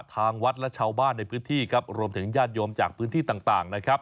ทางวัตรและชาวบ้านในพื้นที่รวมถึงยาดโยมจากพื้นที่ต่าง